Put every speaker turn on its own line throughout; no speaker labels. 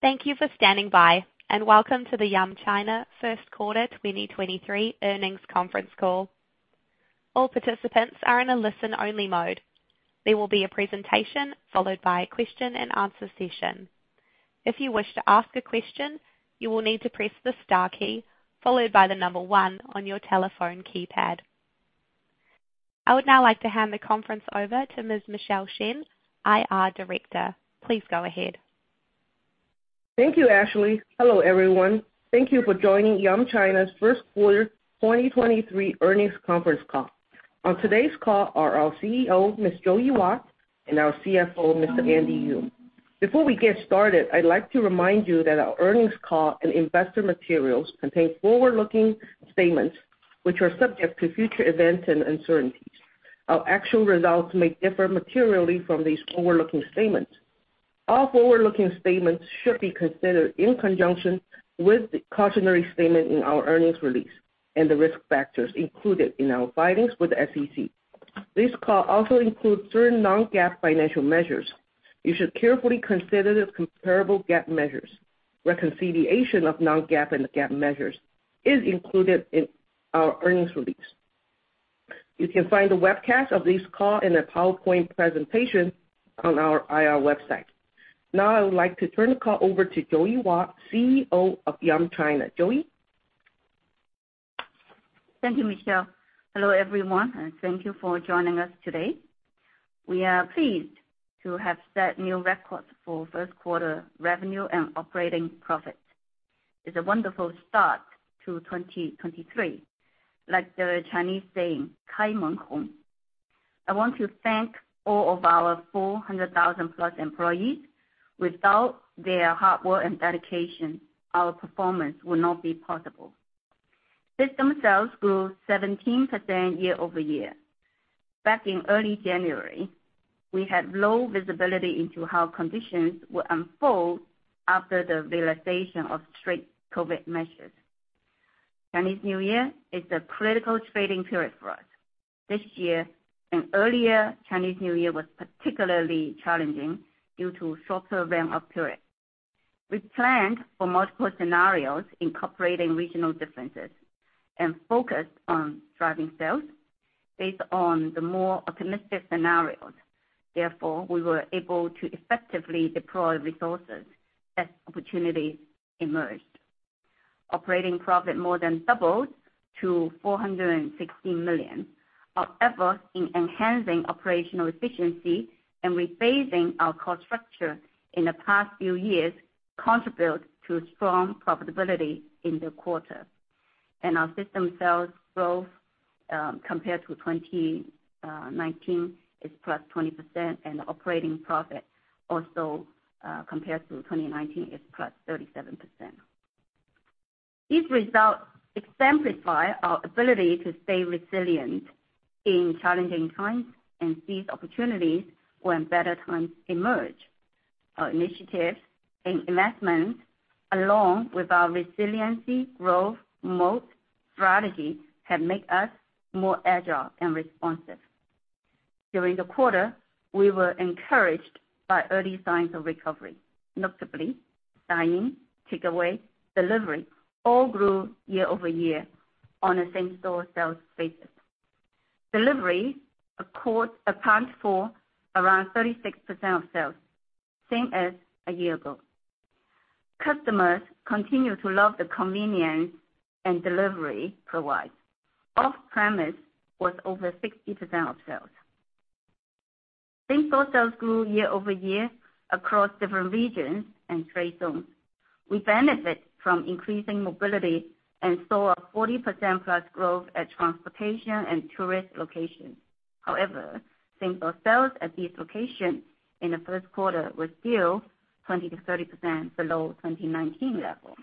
Thank you for standing by, and welcome to the Yum China First Quarter 2023 earnings conference call. All participants are in a listen-only mode. There will be a presentation followed by a question and answer session. If you wish to ask a question, you will need to press the star key followed by 1 on your telephone keypad. I would now like to hand the conference over to Ms. Michelle Shen, IR Director. Please go ahead.
Thank you, Ashley. Hello, everyone. Thank you for joining Yum China's first quarter 2023 earnings conference call. On today's call are our CEO, Ms. Joey Wat, and our CFO, Mr. Andy Yeung. Before we get started, I'd like to remind you that our earnings call and investor materials contain forward-looking statements, which are subject to future events and uncertainties. Our actual results may differ materially from these forward-looking statements. All forward-looking statements should be considered in conjunction with the cautionary statement in our earnings release and the risk factors included in our filings with the SEC. This call also includes certain non-GAAP financial measures. You should carefully consider the comparable GAAP measures. Reconciliation of non-GAAP and GAAP measures is included in our earnings release. You can find the webcast of this call in a PowerPoint presentation on our IR website. Now I would like to turn the call over to Joey Wat, CEO of Yum China. Joey?
Thank you, Michelle Shen. Hello, everyone, thank you for joining us today. We are pleased to have set new records for first quarter revenue and operating profit. It's a wonderful start to 2023. Like the Chinese saying, 开门红 (kāi mén hóng). I want to thank all of our 400,000+ employees. Without their hard work and dedication, our performance would not be possible. System sales grew 17% year-over-year. Back in early January, we had low visibility into how conditions would unfold after the realization of strict COVID-19 measures. Chinese New Year is a critical trading period for us. This year, an earlier Chinese New Year was particularly challenging due to shorter ramp-up period. We planned for multiple scenarios incorporating regional differences and focused on driving sales based on the more optimistic scenarios. Therefore, we were able to effectively deploy resources as opportunities emerged. Operating profit more than doubled to $460 million. Our effort in enhancing operational efficiency and rephasing our cost structure in the past few years contribute to strong profitability in the quarter. Our system sales growth, compared to 2019, is +20%, Operating profit also, compared to 2019, is +37%. These results exemplify our ability to stay resilient in challenging times and seize opportunities when better times emerge. Our initiatives and investments, along with our resiliency growth mode strategy, have make us more agile and responsive. During the quarter, we were encouraged by early signs of recovery. Notably, dine-in, takeaway, delivery all grew year-over-year on a same-store sales basis. Delivery accounted for around 36% of sales, same as a year ago. Customers continue to love the convenience and delivery provides. Off-premise was over 60% of sales. Same-store sales grew year-over-year across different regions and trade zones. We benefit from increasing mobility and saw a 40%+ growth at transportation and tourist locations. However, same-store sales at these locations in the first quarter were still 20%-30% below 2019 levels.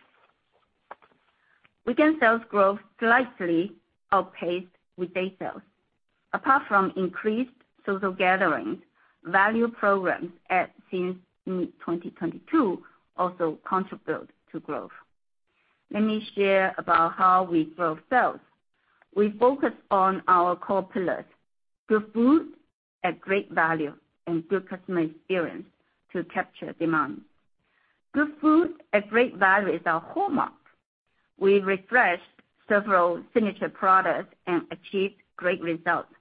Weekend sales growth slightly outpaced weekday sales. Apart from increased social gatherings, value programs since mid-2022 also contribute to growth. Let me share about how we grow sales. We focus on our core pillars, good food at great value and good customer experience to capture demand. Good food at great value is our hallmark. We refreshed several signature products and achieved great results.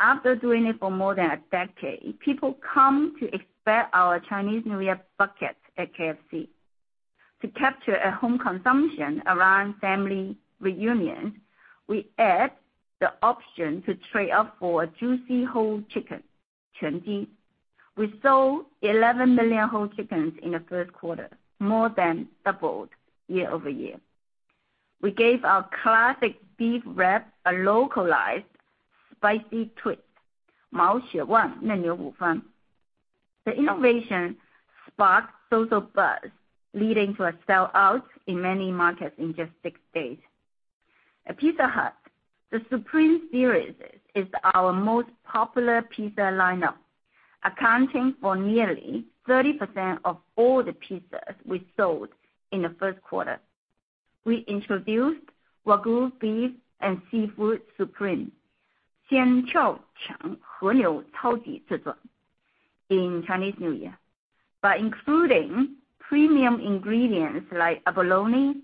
After doing it for more than a decade, people come to expect our Chinese New Year bucket at KFC. To capture a home consumption around family reunions, we add the option to trade up for a juicy whole chicken, Quanjie. We sold 11 million whole chickens in the first quarter, more than doubled year-over-year. We gave our classic beef wrap a localized spicy twist. Mao Xue Wang Nen Niupu Fan. The innovation sparked social buzz, leading to a sellout in many markets in just six days. At Pizza Hut, the Supreme series is our most popular pizza lineup, accounting for nearly 30% of all the pizzas we sold in the first quarter. We introduced Wagyu beef and seafood Supreme. In Chinese New Year. By including premium ingredients like abalone,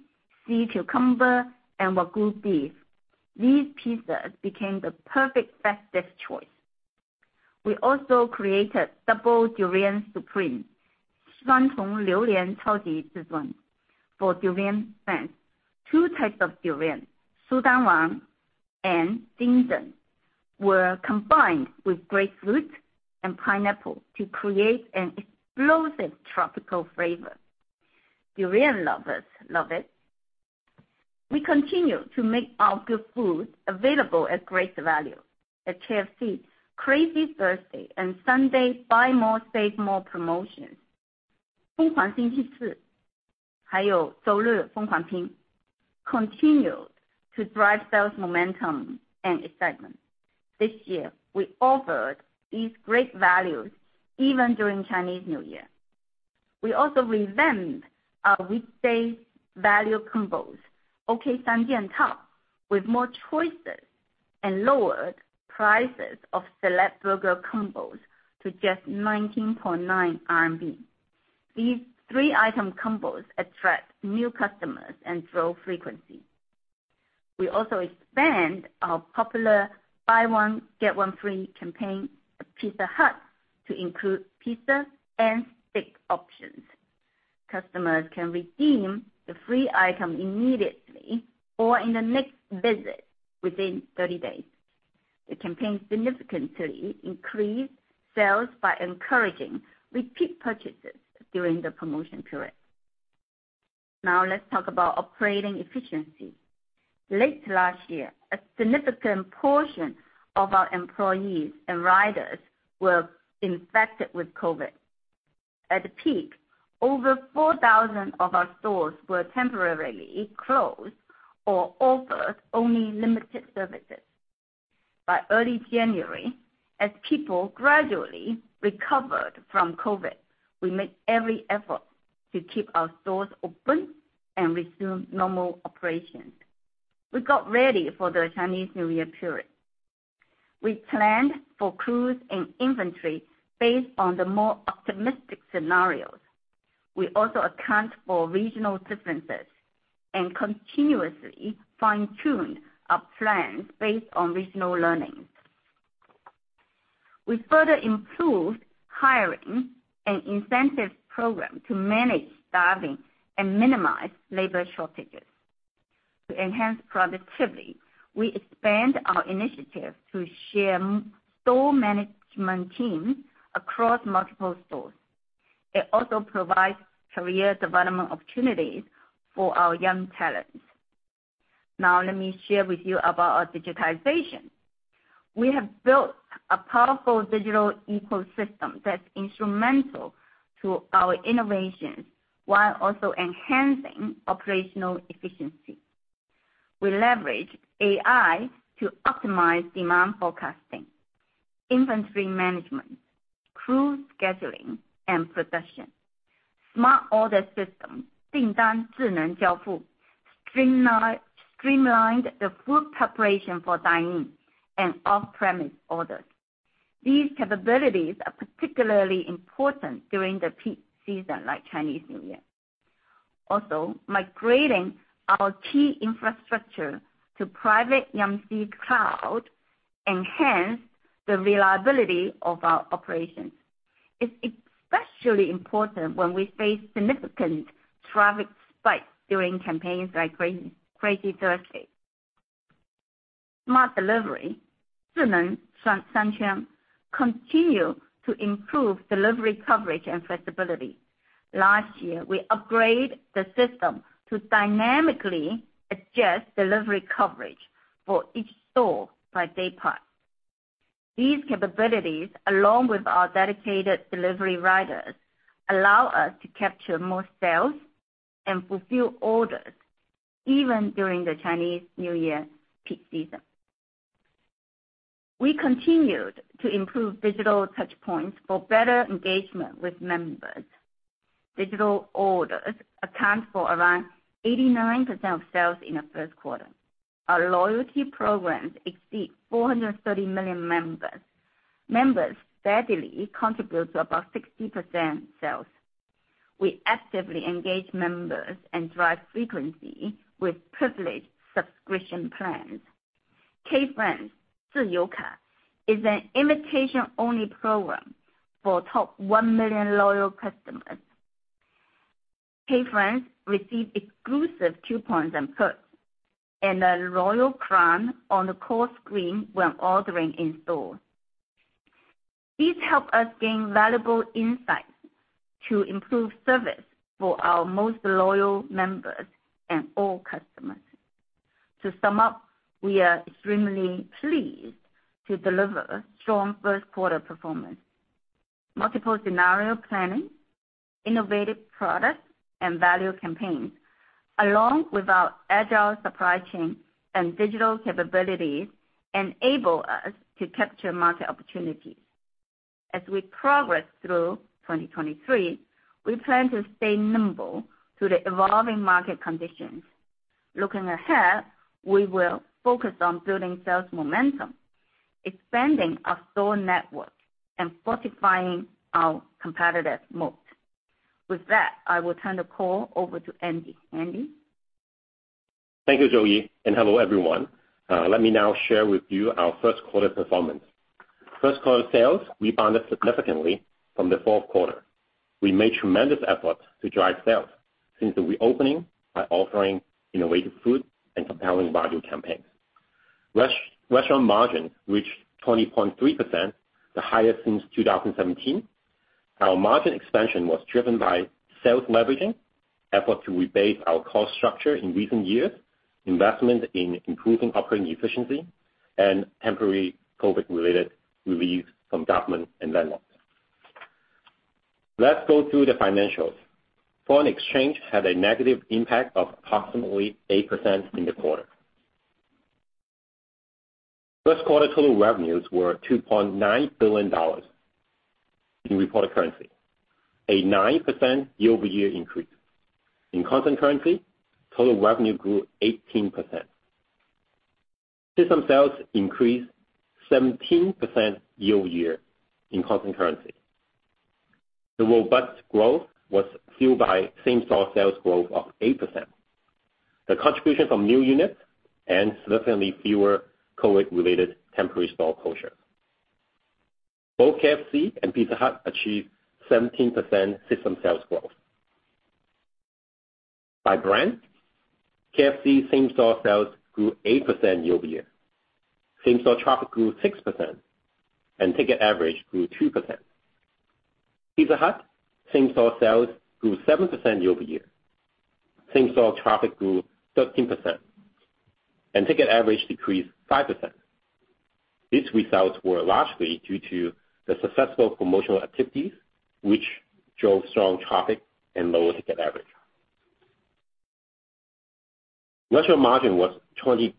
sea cucumber, and Wagyu beef, these pizzas became the perfect festive choice. We also created Double Durian Supreme, for durian fans. Two types of durian, Sultan Wang and Ding Ding, were combined with grapefruit and pineapple to create an explosive tropical flavor. Durian lovers love it. We continue to make our good food available at great value. At KFC, Crazy Thursday and Sunday Buy More Save More promotions, continued to drive sales momentum and excitement. This year, we offered these great values even during Chinese New Year. We also revamped our weekday value combos, OK三件套, with more choices and lowered prices of select burger combos to just 19.9 RMB. These three-item combos attract new customers and grow frequency. We also expand our popular Buy One Get One Free campaign at Pizza Hut to include pizza and steak options. Customers can redeem the free item immediately or in the next visit within 30 days. The campaign significantly increased sales by encouraging repeat purchases during the promotion period. Now let's talk about operating efficiency. Late last year, a significant portion of our employees and riders were infected with COVID. At the peak, over 4,000 of our stores were temporarily closed or offered only limited services. By early January, as people gradually recovered from COVID, we made every effort to keep our stores open and resume normal operations. We got ready for the Chinese New Year period. We planned for crews and inventory based on the more optimistic scenarios. We also account for regional differences and continuously fine-tuned our plans based on regional learnings. We further improved hiring and incentive program to manage staffing and minimize labor shortages. To enhance productivity, we expand our initiative to share store management teams across multiple stores. It also provides career development opportunities for our young talents. Let me share with you about our digitization. We have built a powerful digital ecosystem that's instrumental to our innovations while also enhancing operational efficiency. We leverage AI to optimize demand forecasting, inventory management, crew scheduling, and production. Smart order system streamlined the food preparation for dine-in and off-premise orders. These capabilities are particularly important during the peak season like Chinese New Year. Migrating our key infrastructure to private Yum C cloud enhanced the reliability of our operations. It's especially important when we face significant traffic spikes during campaigns like Crazy Thursday. Smart delivery continue to improve delivery coverage and flexibility. Last year, we upgrade the system to dynamically adjust delivery coverage for each store by day part. These capabilities, along with our dedicated delivery riders, allow us to capture more sales and fulfill orders even during the Chinese New Year peak season. We continued to improve digital touchpoints for better engagement with members. Digital orders account for around 89% of sales in the first quarter. Our loyalty programs exceed 430 million members. Members steadily contribute to about 60% sales. We actively engage members and drive frequency with privileged subscription plans. K Friends is an invitation-only program for top 1 million loyal customers. K Friends receive exclusive coupons and perks and a royal crown on the call screen when ordering in store. These help us gain valuable insights to improve service for our most loyal members and all customers. To sum up, we are extremely pleased to deliver strong first quarter performance. Multiple scenario planning, innovative products, and value campaigns, along with our agile supply chain and digital capabilities enable us to capture market opportunities. As we progress through 2023, we plan to stay nimble to the evolving market conditions. Looking ahead, we will focus on building sales momentum, expanding our store network, and fortifying our competitive moat. With that, I will turn the call over to Andy. Andy?
Thank you, Joey, and hello, everyone. Let me now share with you our first quarter performance. First quarter sales rebounded significantly from the fourth quarter. We made tremendous efforts to drive sales since the reopening by offering innovative food and compelling value campaigns. Rest-restaurant margin reached 20.3%, the highest since 2017. Our margin expansion was driven by sales leveraging, effort to rebase our cost structure in recent years, investment in improving operating efficiency, and temporary COVID-related relief from government and landlords. Let's go through the financials. Foreign exchange had a negative impact of approximately 8% in the quarter. First quarter total revenues were $2.9 billion in reported currency, a 9% year-over-year increase. In constant currency, total revenue grew 18%. System sales increased 17% year-over-year in constant currency. The robust growth was fueled by same-store sales growth of 8%. The contribution from new units and significantly fewer COVID-related temporary store closures. Both KFC and Pizza Hut achieved 17% system sales growth. By brand, KFC same-store sales grew 8% year-over-year. Same-store traffic grew 6% and ticket average grew 2%. Pizza Hut same-store sales grew 7% year-over-year. Same-store traffic grew 13% and ticket average decreased 5%. These results were largely due to the successful promotional activities, which drove strong traffic and lower ticket average. Restaurant margin was 20.3%,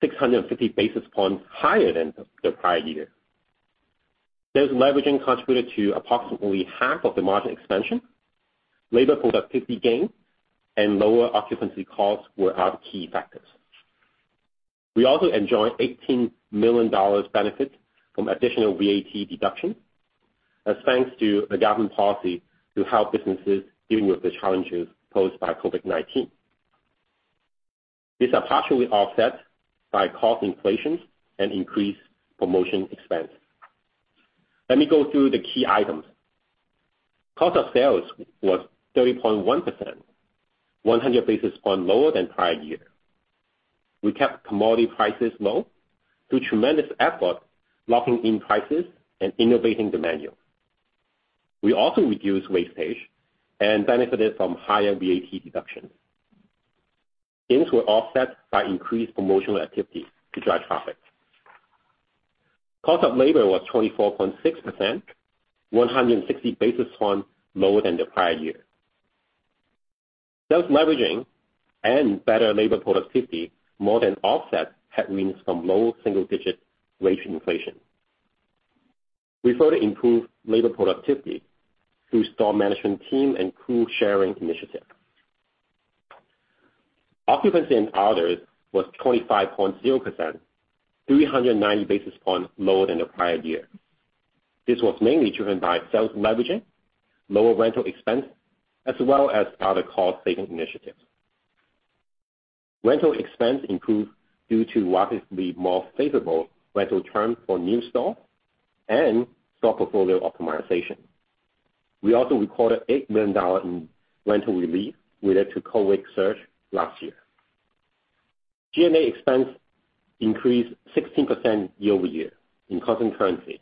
650 basis points higher than the prior year. Sales leveraging contributed to approximately half of the margin expansion. Labor productivity gain and lower occupancy costs were other key factors. We also enjoyed $18 million benefit from additional VAT deduction, as thanks to a government policy to help businesses dealing with the challenges posed by COVID-19. These are partially offset by cost inflations and increased promotion expense. Let me go through the key items. Cost of sales was 30.1%, 100 basis points lower than prior year. We kept commodity prices low through tremendous effort locking in prices and innovating the menu. We also reduced wastage and benefited from higher VAT deductions. Gains were offset by increased promotional activity to drive traffic. Cost of labor was 24.6%, 160 basis points lower than the prior year. Sales leveraging and better labor productivity more than offset headwinds from low single-digit wage inflation. We further improved labor productivity through store management team and crew sharing initiative. Occupancy and others was 25.0%, 390 basis points lower than the prior year. This was mainly driven by sales leveraging, lower rental expense, as well as other cost-saving initiatives. Rental expense improved due to relatively more favorable rental terms for new stores and store portfolio optimization. We also recorded $8 million in rental relief related to COVID-19 surge last year. G&A expense increased 16% year-over-year in constant currency,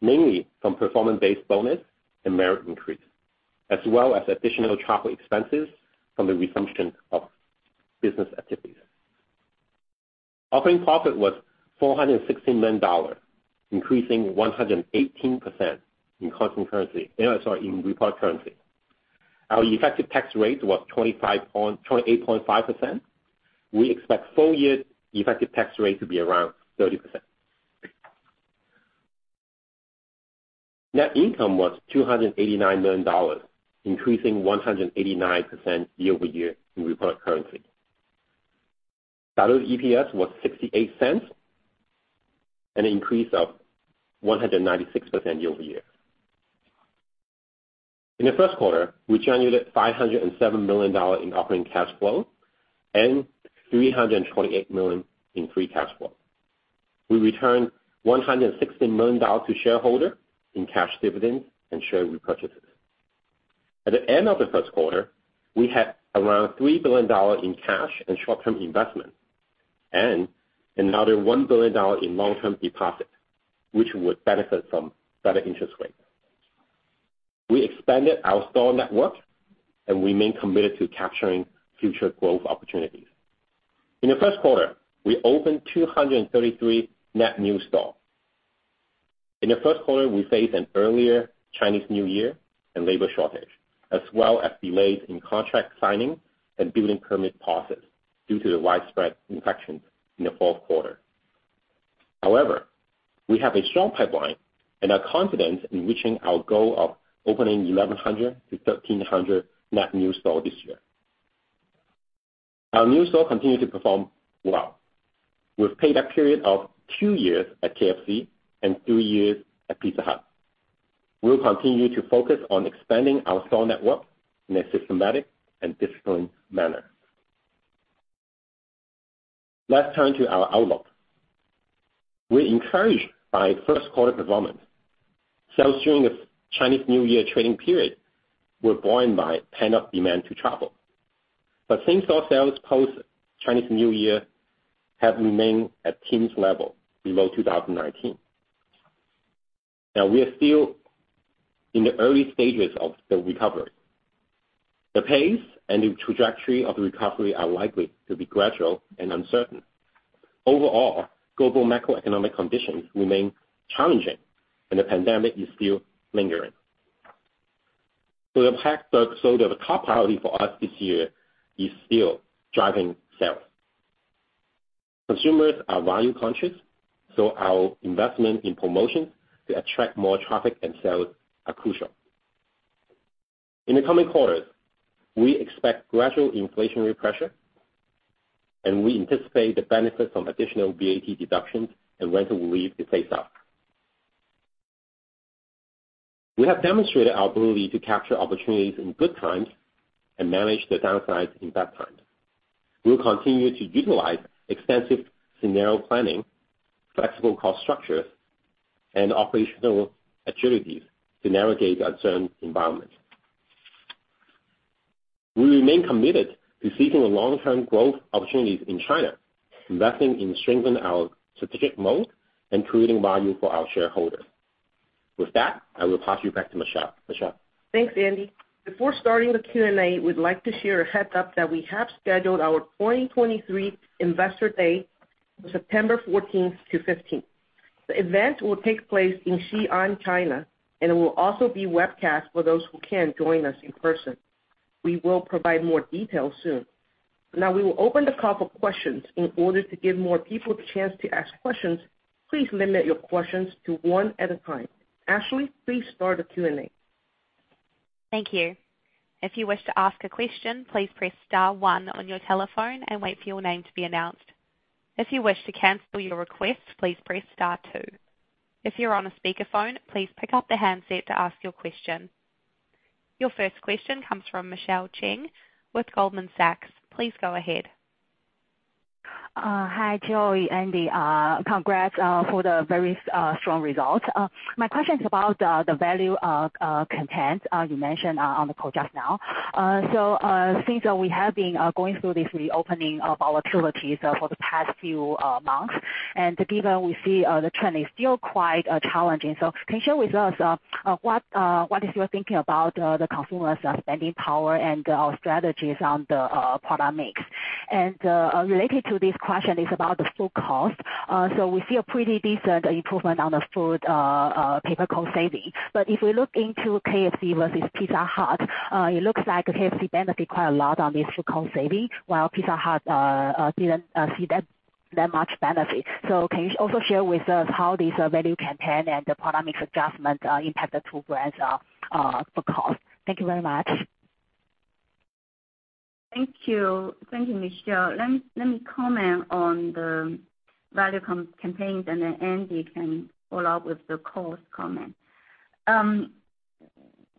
mainly from performance-based bonus and merit increase, as well as additional travel expenses from the resumption of business activities. Operating profit was $460 million, increasing 118% in constant currency. Sorry, in reported currency. Our effective tax rate was 28.5%. We expect full year effective tax rate to be around 30%. Net income was $289 million, increasing 189% year-over-year in reported currency. Diluted EPS was $0.68, an increase of 196% year-over-year. In the first quarter, we generated $507 million in operating cash flow and $328 million in free cash flow. We returned $160 million to shareholder in cash dividends and share repurchases. At the end of the first quarter, we had around $3 billion in cash and short-term investment and another $1 billion in long-term deposits, which would benefit from better interest rates. We expanded our store network and remain committed to capturing future growth opportunities. In the first quarter, we opened 233 net new stores. In the first quarter, we faced an earlier Chinese New Year and labor shortage, as well as delays in contract signing and building permit process due to the widespread infections in the fourth quarter. However, we have a strong pipeline and are confident in reaching our goal of opening 1,100-1,300 net new store this year. Our new store continue to perform well. We've paid a period of two years at KFC and three years at Pizza Hut. We'll continue to focus on expanding our store network in a systematic and disciplined manner. Let's turn to our outlook. We're encouraged by first quarter performance. Sales during the Chinese New Year trading period were buoyed by pent-up demand to travel. Same-store sales post Chinese New Year have remained at teens level below 2019. We are still in the early stages of the recovery. The pace and the trajectory of the recovery are likely to be gradual and uncertain. Overall, global macroeconomic conditions remain challenging, and the pandemic is still lingering. The top priority for us this year is still driving sales. Consumers are value conscious, so our investment in promotions to attract more traffic and sales are crucial. In the coming quarters, we expect gradual inflationary pressure, and we anticipate the benefits from additional VAT deductions and rental relief to face off. We have demonstrated our ability to capture opportunities in good times and manage the downsides in bad times. We will continue to utilize extensive scenario planning, flexible cost structures, and operational agilities to navigate uncertain environment. We remain committed to seeking long-term growth opportunities in China, investing in strengthen our strategic mode, and creating value for our shareholders. With that, I will pass you back to Michelle. Michelle?
Thanks, Andy. Before starting the Q&A, we'd like to share a heads up that we have scheduled our 2023 Investor Day, September 14th to 15th. The event will take place in Xi'an, China, and it will also be webcast for those who can't join us in person. We will provide more details soon. Now we will open the call for questions. In order to give more people the chance to ask questions, please limit your questions to one at a time. Ashley, please start the Q&A.
Thank you. If you wish to ask a question, please press star one on your telephone and wait for your name to be announced. If you wish to cancel your request, please press star two. If you're on a speakerphone, please pick up the handset to ask your question. Your first question comes from Michelle Cheng with Goldman Sachs. Please go ahead.
Hi, Joey, Andy, congrats for the very strong results. My question is about the value content you mentioned on the call just now. Since we have been going through this reopening of volatilities for the past few months, and given we see the trend is still quite challenging, can you share with us what is your thinking about the consumers' spending power and strategies on the product mix? Related to this question is about the food cost. We see a pretty decent improvement on the food paper cost saving. If we look into KFC versus Pizza Hut, it looks like KFC benefited quite a lot on this food cost saving, while Pizza Hut didn't see that much benefit. Can you also share with us how these value campaign and the product mix adjustment impact the two brands food cost? Thank you very much.
Thank you. Thank you, Michelle. Let me comment on the value campaigns, and then Andy can follow up with the cost comment.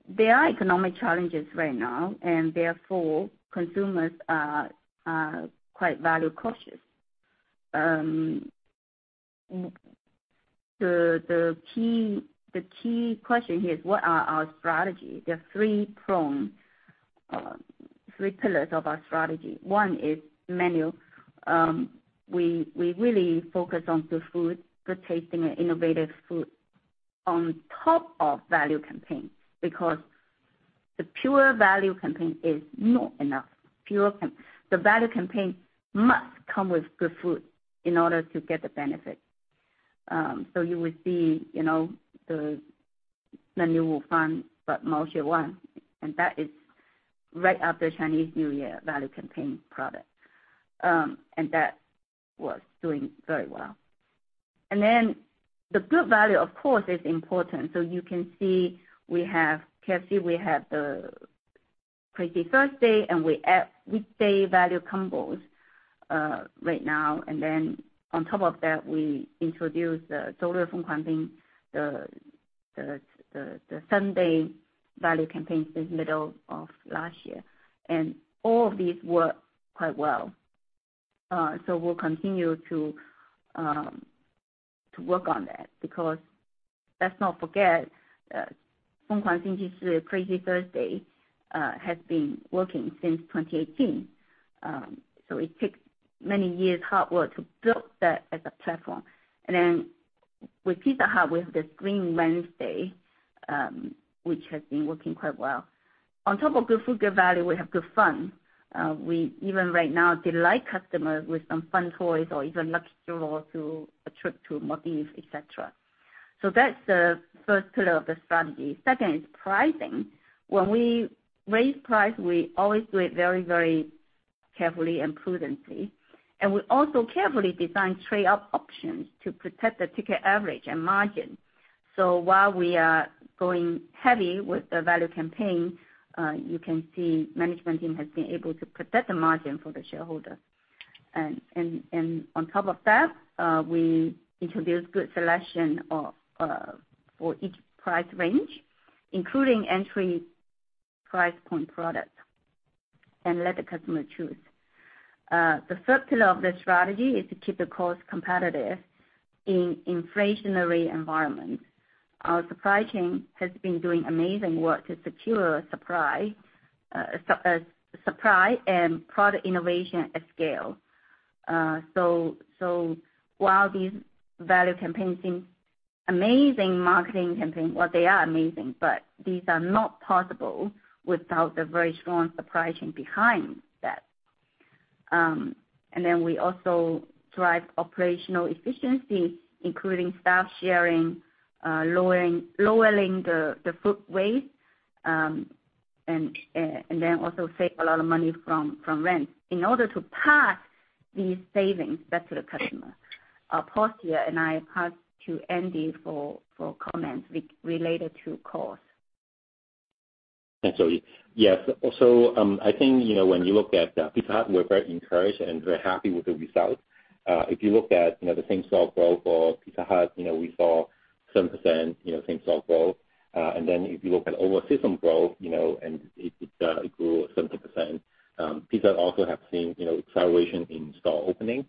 There are economic challenges right now, and therefore consumers are quite value cautious. The key question here is what are our strategy? There are three prong, three pillars of our strategy. One is menu. We really focus on good food, good tasting and innovative food on top of value campaigns, because the pure value campaign is not enough. The value campaign must come with good food in order to get the benefit. You will see, you know, the manual fund, but most one, and that is right after Chinese New Year value campaign product. That was doing very well. The good value, of course, is important. You can see we have KFC, we have the Crazy Thursday and we add weekday value combos right now. On top of that, we introduced the solar wind campaign, the Sunday value campaign since middle of last year. All of these work quite well. So we'll continue to work on that because let's not forget, from Crazy Thursday has been working since 2018. So it takes many years hard work to build that as a platform. With Pizza Hut, with this Green Wednesday, which has been working quite well. On top of good food, good value, we have good fun. We even right now delight customers with some fun toys or even lucky draw to a trip to Maldives, et cetera. That's the first pillar of the strategy. Second is pricing. When we raise price, we always do it very, very carefully and prudently, and we also carefully design trade-up options to protect the ticket average and margin. While we are going heavy with the value campaign, you can see management team has been able to protect the margin for the shareholder. On top of that, we introduced good selection of for each price range, including entry price point products, and let the customer choose. The third pillar of the strategy is to keep the cost competitive in inflationary environment. Our supply chain has been doing amazing work to secure supply and product innovation at scale. While these value campaigns seem amazing marketing campaign, well they are amazing, but these are not possible without the very strong supply chain behind that. We also drive operational efficiency, including staff sharing, lowering the food waste, and then also save a lot of money from rent in order to pass these savings back to the customer. I'll pause here. I pass to Andy for comments related to cost.
Thanks, Joey. Yes. Also, I think, you know, when you look at Pizza Hut, we're very encouraged and very happy with the results. If you look at, you know, the same-store growth for Pizza Hut, you know, we saw 7%, you know, same-store growth. If you look at our system growth, you know, and it grew 70%. Pizza also have seen, you know, acceleration in store opening.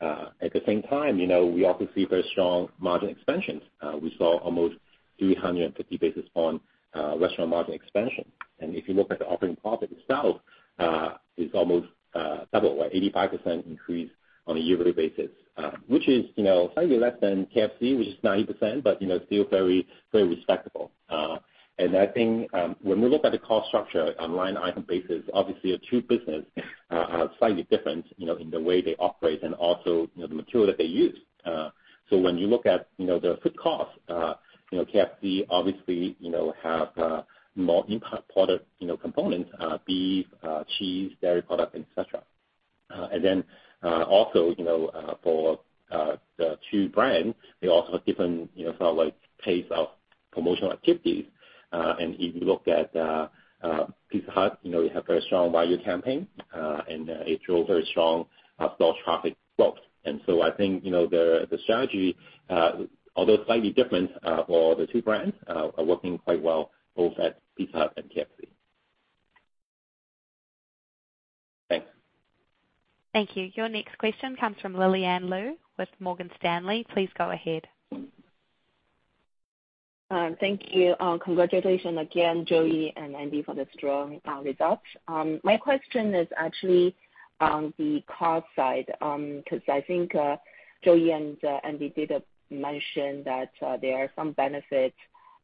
At the same time, you know, we also see very strong margin expansions. We saw almost 350 basis on restaurant margin expansion. If you look at the operating profit itself, it's almost double, like 85% increase on a yearly basis, which is, you know, slightly less than KFC, which is 90%, but you know, still very, very respectable. I think, when we look at the cost structure on line item basis, obviously the two business are slightly different, you know, in the way they operate and also, you know, the material that they use. When you look at, you know, the food costs, you know, KFC obviously, you know, have more import product, you know, components, beef, cheese, dairy product, et cetera. Then, also, you know, for the two brands, they also have different, you know, sort of like pace of promotional activities. If you look at, Pizza Hut, you know, you have very strong value campaign, and it drove very strong, store traffic growth. I think, you know, the strategy, although slightly different, for the two brands, are working quite well both at Pizza Hut and KFC. Thanks.
Thank you. Your next question comes from Lillian Lou with Morgan Stanley. Please go ahead.
Thank you. Congratulations again, Joey and Andy, for the strong results. My question is actually on the cost side, because I think Joey and Andy did mention that there are some benefits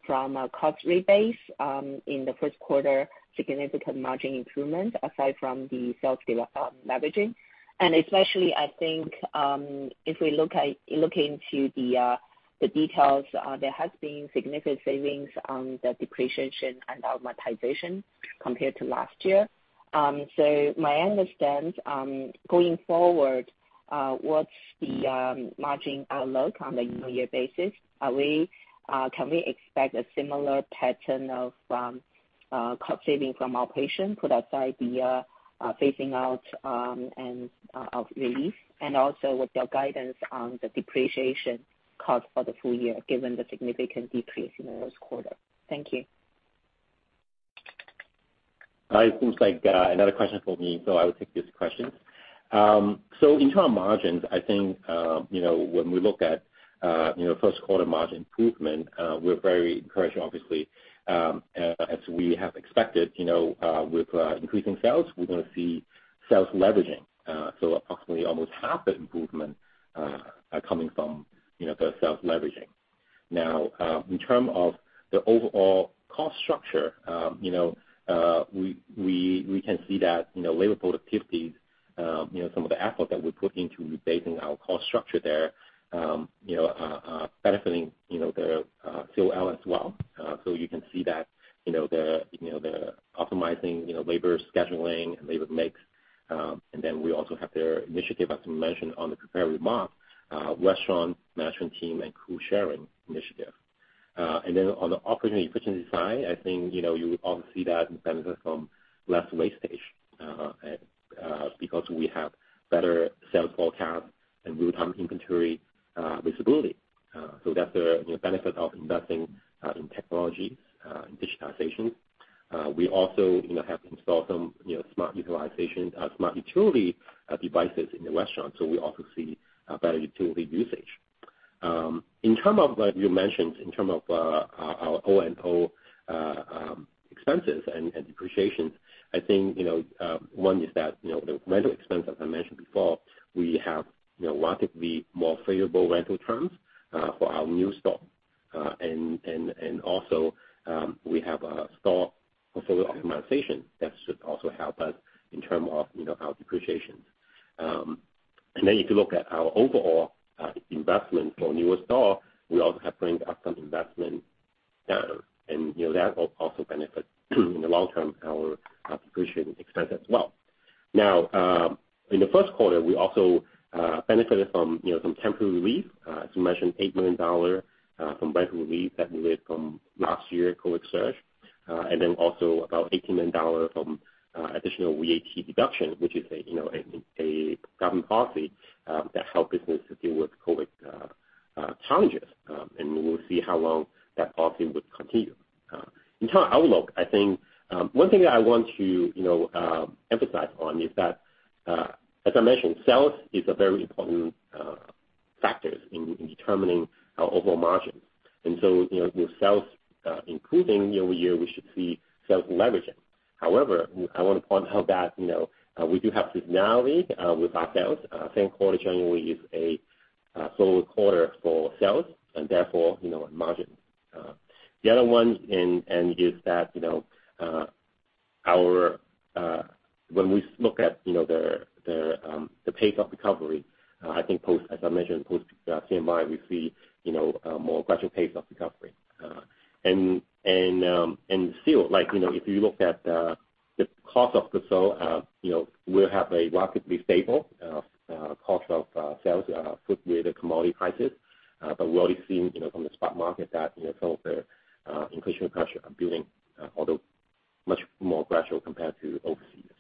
from a cost rebase in the first quarter, significant margin improvement aside from the sales leveraging. Especially I think, if we look into the details, there has been significant savings on the depreciation and amortization compared to last year. So my understand, going forward, what's the margin look on the full year basis? Can we expect a similar pattern of cost saving from our patient put aside the phasing out and of relief? Also with your guidance on the depreciation cost for the full year, given the significant decrease in the first quarter. Thank you.
It seems like another question for me, so I will take this question. In term margins, I think, you know, when we look at, you know, first quarter margin improvement, we're very encouraged obviously, as we have expected. You know, with increasing sales, we're gonna see sales leveraging, so approximately almost half the improvement are coming from, you know, the sales leveraging. Now, in term of the overall cost structure, you know, we can see that, you know, labor productivity, you know, some of the effort that we're putting to rebasing our cost structure there, you know, benefiting, you know, the FL as well. You can see that, you know, the optimizing, you know, labor scheduling and labor mix. We also have their initiative, as we mentioned on the prepared remarks, restaurant management team and crew sharing initiative. On the operating efficiency side, I think, you know, you would all see that benefit from less wastage, because we have better sales forecast and real-time inventory visibility. That's the, you know, benefit of investing in technology, in digitalization. We also, you know, have installed some, you know, smart utilization, smart utility devices in the restaurant, so we also see a better utility usage. In terms of what you mentioned in terms of our O&O expenses and depreciation, I think, you know, one is that, you know, the rental expense, as I mentioned before, we have, you know, relatively more favorable rental terms for our new store. Also, we have a store portfolio optimization that should also help us in term of, you know, our depreciation. Then if you look at our overall investment for a newer store, we also have to bring the upfront investment down and, you know, that will also benefit in the long term our depreciation expense as well. Now, in the first quarter, we also benefited from, you know, from temporary relief, as you mentioned, $8 million, from rental relief that we had from last year COVID search, and then also about $80 million from additional VAT deduction, which is a, you know, a government policy that help business to deal with COVID challenges. We'll see how long that policy would continue. In terms of outlook, I think one thing that I want to, you know, emphasize on is that, as I mentioned, sales is a very important factor in determining our overall margins. You know, with sales improving year-over-year, we should see sales leveraging. However, I wanna point out that, you know, we do have seasonality with our sales. Same quarter generally is a slower quarter for sales and therefore, you know, margin. The other one is that, you know, our when we look at, you know, the the pace of recovery, I think as I mentioned, post CMI, we see, you know, a more gradual pace of recovery. Still, like, you know, if you look at the cost of the sale, you know, we'll have a relatively stable cost of sales with the commodity prices. We already seen, you know, from the spot market that, you know, some of the inflation pressure are building, although much more gradual compared to overseas.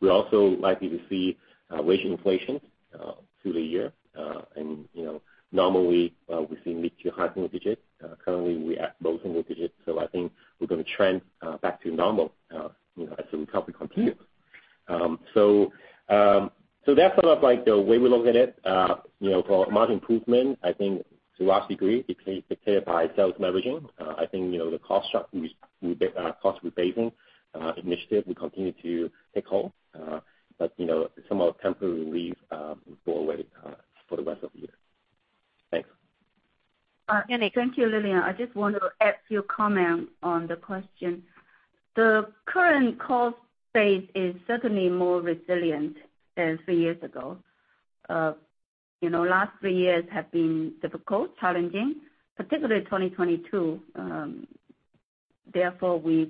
We're also likely to see wage inflation through the year. You know, normally, we see mid to high single digits. Currently we're at low single digits, so I think we're gonna trend back to normal, you know, as the recovery continues. That's sort of like the way we look at it. You know, for margin improvement, I think to a large degree it's driven by sales leveraging. I think, you know, the cost structure cost rebasing initiative will continue to take hold. You know, some of the temporary relief will go away for the rest of the year. Thanks.
Andy, thank you, Lillian. I just want to add few comment on the question. The current cost base is certainly more resilient than three years ago. You know, last three years have been difficult, challenging, particularly 2022. Therefore, we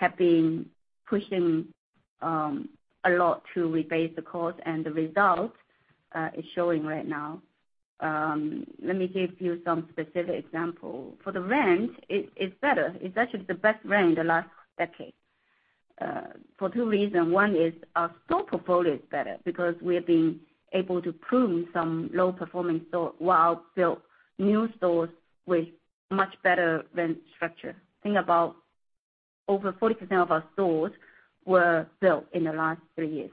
really have been pushing a lot to rebase the cost and the result is showing right now. Let me give you some specific example. For the rent, it is better. It's actually the best rent in the last decade for two reasons. One is our store portfolio is better because we have been able to prune some low performing store while build new stores with much better rent structure. I think about over 40% of our stores were built in the last three years.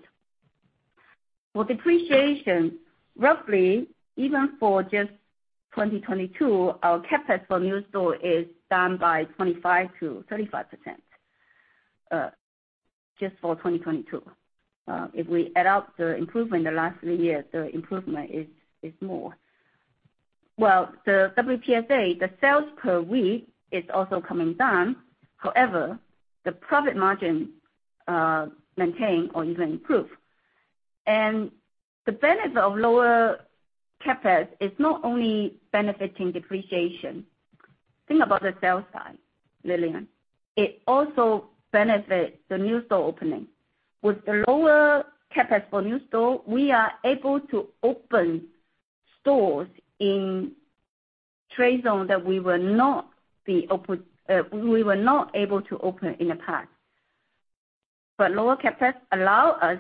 For depreciation, roughly even for just 2022, our CapEx for new store is down by 25%-35% just for 2022. If we add up the improvement in the last three years, the improvement is more. Well, the WPSA, the sales per week is also coming down. The profit margin maintain or even improve. The benefit of lower CapEx is not only benefiting depreciation. Think about the sales side, Lillian. It also benefit the new store opening. With the lower CapEx for new store, we are able to open stores in trade zone that we were not able to open in the past. Lower CapEx allow us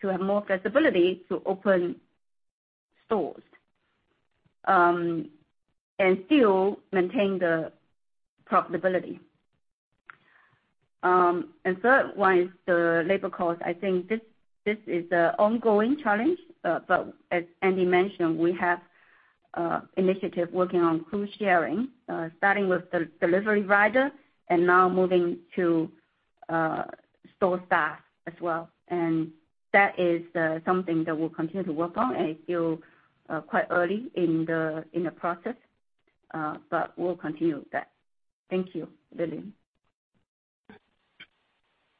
to have more flexibility to open stores and still maintain the profitability. Third one is the labor cost. I think this is a ongoing challenge. As Andy mentioned, we have initiative working on crew sharing, starting with the delivery rider and now moving to store staff as well. That is something that we'll continue to work on, and it's still quite early in the process, but we'll continue that. Thank you, Lillian.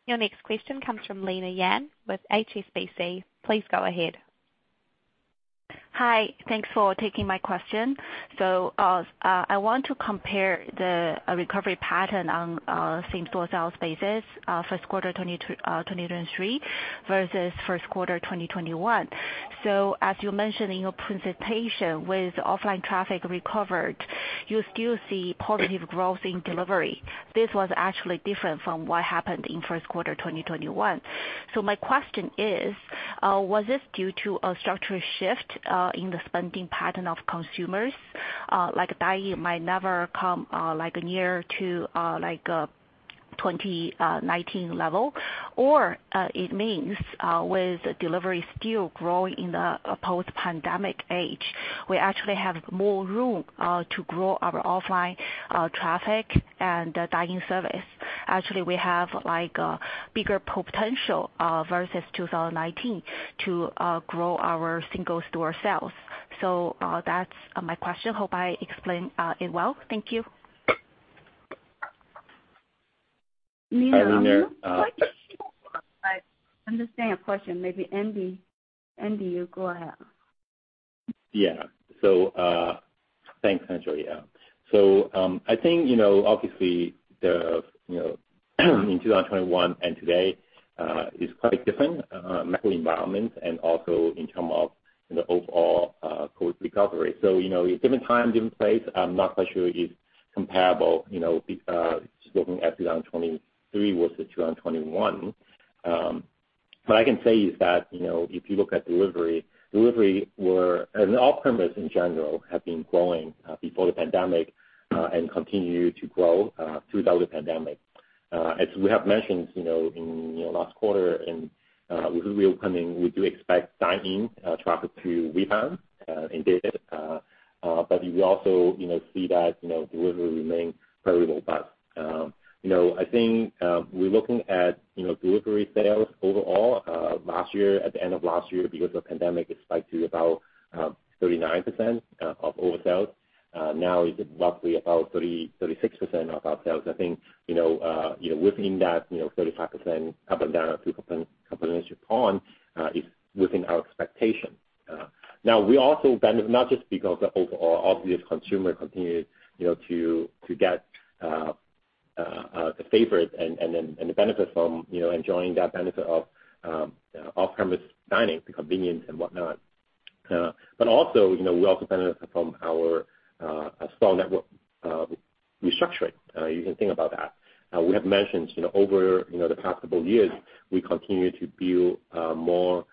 Your next question comes from Lina Yan with HSBC. Please go ahead.
Hi. Thanks for taking my question. I want to compare the recovery pattern on same-store sales basis, first quarter 2023 versus first quarter 2021. As you mentioned in your presentation, with offline traffic recovered, you still see positive growth in delivery. This was actually different from what happened in first quarter 2021. My question is, was this due to a structural shift in the spending pattern of consumers? Like, Dan might never come like near to like a 2019 level or it means, with delivery still growing in the post-pandemic age, we actually have more room to grow our offline traffic and the dine-in service. Actually, we have like a bigger potential versus 2019 to grow our single store sales. That's my question. Hope I explained it well. Thank you.
Lina.
Hi, Lina.
I understand your question, maybe Andy. Andy, you go ahead.
Thanks Joey. I think, you know, obviously the, you know, in 2021 and today, is quite different, macro environment and also in term of the overall, COVID recovery. You know, different time, different place, I'm not quite sure it's comparable, you know, looking at 2023 versus 2021. What I can say is that, you know, if you look at delivery were... Off-premise in general have been growing, before the pandemic, and continue to grow, through the pandemic. As we have mentioned, you know, in, you know, last quarter and, with reopening, we do expect dine-in, traffic to rebound, in data. We also, you know, see that, you know, delivery remain very robust. You know, I think, we're looking at, you know, delivery sales overall. Last year, at the end of last year because of pandemic, it spiked to about 39% of all sales. Now is roughly about 36% of our sales. I think, you know, within that, you know, 35% up and down a few %, couple percentage point, is within our expectation. Now we also benefit not just because the overall obvious consumer continued, you know, to get the favors and the benefit from, you know, enjoying that benefit of off-premise dining, the convenience and whatnot. Also, you know, we also benefit from our store network restructuring. You can think about that. We have mentioned, over the past couple years, we continue to build more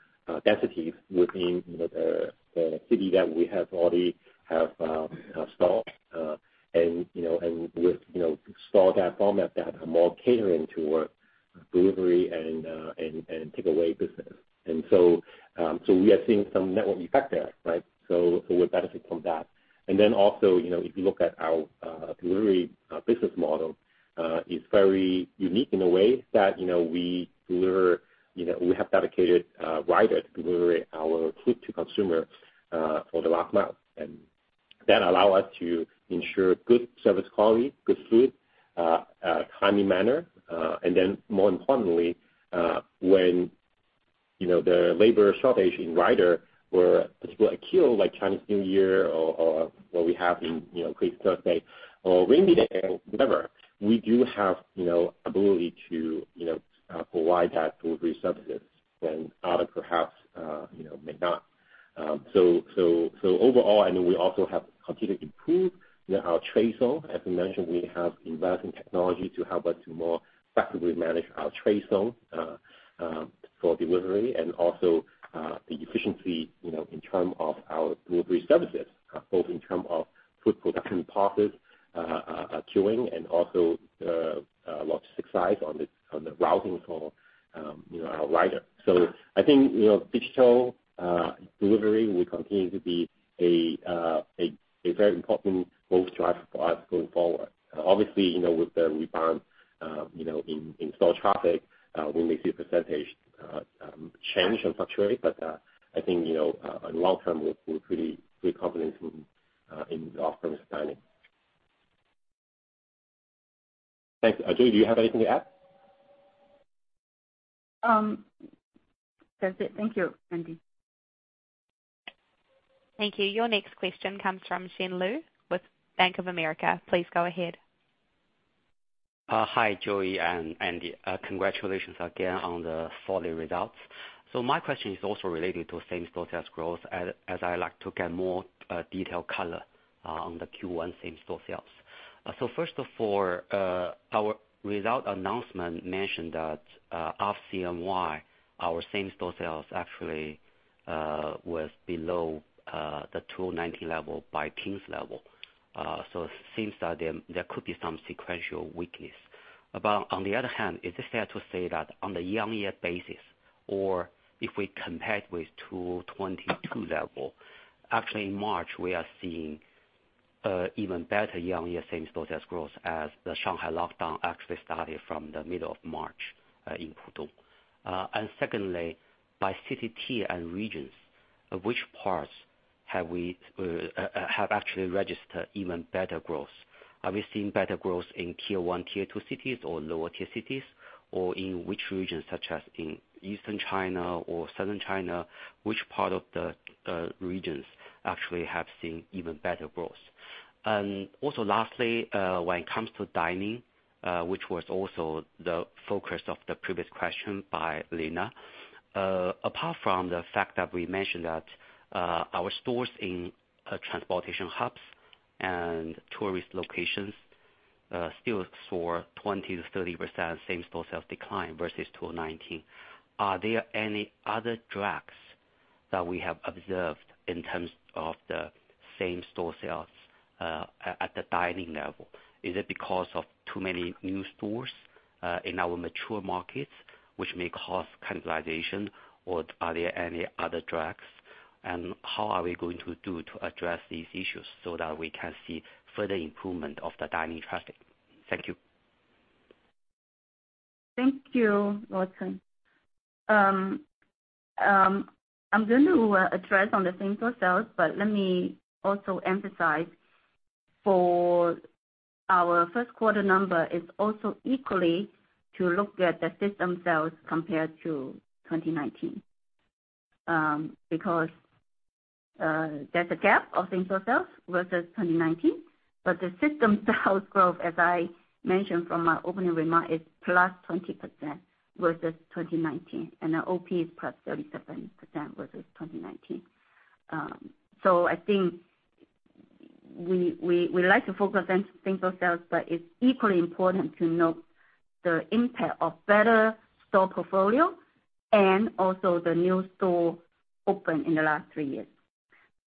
densities within the city that we have already stalled. With store that format that are more catering toward delivery and takeaway business. We are seeing some network effect there, right? We benefit from that. Also, if you look at our delivery business model, is very unique in a way that we deliver, we have dedicated riders delivering our food to consumer for the last mile. That allow us to ensure good service quality, good food, timely manner, more importantly, when, you know, the labor shortage in rider were particularly acute like Chinese New Year or what we have in, you know, Good Thursday or rainy day or whatever, we do have, you know, ability to, you know, provide that delivery services when others perhaps, you know, may not. So overall, I know we also have continued to improve our trade zone. As we mentioned, we have invested in technology to help us to more effectively manage our trade zone for delivery and also the efficiency, you know, in term of our delivery services, both in term of food production process, queuing and also logistic side on the routing for, you know, our riders. I think, you know, digital delivery will continue to be a very important growth driver for us going forward. Obviously, you know, with the rebound, you know, in store traffic, we may see a percentage change and fluctuate. I think, you know, on long term, we're pretty confident in the off-premise dining. Thanks. Joey, do you have anything to add?
That's it. Thank you, Andy.
Thank you. Your next question comes from Chen Luo with Bank of America. Please go ahead.
Hi, Joey and Andy. Congratulations again on the solid results. My question is also related to same-store sales growth as I like to get more detailed color on the Q1 same-store sales. First of all, our result announcement mentioned that off CMY, our same-store sales actually was below the 2019 level by King's level. It seems that there could be some sequential weakness. On the other hand, is it fair to say that on the year-on-year basis or if we compare with 2022 level, actually in March we are seeing even better year-on-year same-store sales growth as the Shanghai lockdown actually started from the middle of March in Pudong. Secondly, by city tier and regions, which parts have actually registered even better growth? Are we seeing better growth in Tier 1, Tier 2 cities or lower tier cities? Or in which regions such as in Eastern China or Southern China, which part of the regions actually have seen even better growth? Lastly, when it comes to dining, which was also the focus of the previous question by Lina, apart from the fact that we mentioned that our stores in transportation hubs and tourist locations still saw 20%-30% same-store sales decline versus 2019, are there any other drags that we have observed in terms of the same-store sales at the dining level. Is it because of too many new stores in our mature markets which may cause cannibalization or are there any other drags? How are we going to do to address these issues so that we can see further improvement of the dining traffic? Thank you.
Thank you, Wilson. I'm going to address on the same-store sales, but let me also emphasize for our first quarter number is also equally to look at the system sales compared to 2019. because there's a gap of same-store sales versus 2019, but the system sales growth, as I mentioned from my opening remark, is +20% versus 2019, and our OP is +37% versus 2019. I think we like to focus on same-store sales, but it's equally important to note the impact of better store portfolio and also the new store open in the last three years.